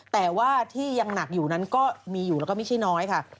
แต่ว่าที่ยังหนักอยู่นั้นก็มีอยู่แล้วก็ไม่ใช่น้อยค่ะ